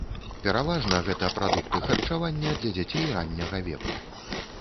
Пераважна гэта прадукты харчавання для дзяцей ранняга веку.